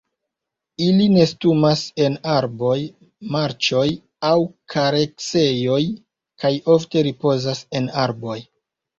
Ili nestumas en arboj, marĉoj aŭ kareksejoj, kaj ofte ripozas en arboj.